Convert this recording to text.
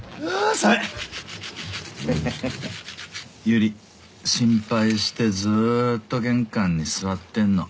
ゆり心配してずっと玄関に座ってんの。